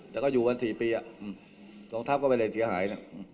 แต่ก็อยู่วัน๔ปีอะฟรุงทรัพย์ก็ไปเลยเสียหาย